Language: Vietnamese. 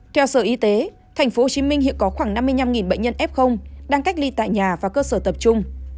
theo sở y tế tp hcm hiện có khoảng năm mươi năm bệnh nhân f đang cách ly tại nhà và cơ sở tập trung